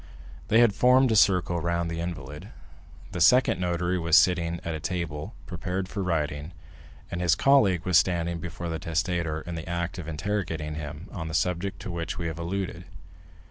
They had formed a circle round the invalid; the second notary was sitting at a table, prepared for writing, and his colleague was standing before the testator in the act of interrogating him on the subject to which we have alluded.